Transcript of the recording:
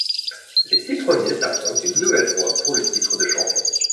Les six premiers s'affrontent une nouvelle fois pour le titre de champion.